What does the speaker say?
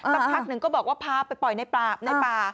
สักพักหนึ่งก็บอกว่าพาไปปล่อยในป่าในป่า